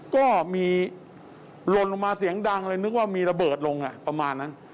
ก็มีหล่นลงมาเสียงดังเลยนึกว่ามีระเบิดลงประมาณนั้น